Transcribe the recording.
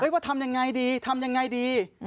ว่าทำยังไงดีทำยังไงดี